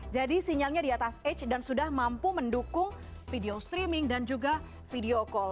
jadi sinyalnya di atas h dan sudah mampu mendukung video streaming dan juga video call